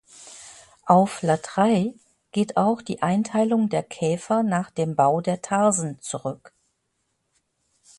Auf Latreille geht auch die Einteilung der Käfer nach dem Bau der Tarsen zurück.